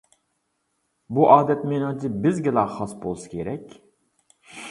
بۇ ئادەت مېنىڭچە، بىزگىلا خاس بولسا كېرەك.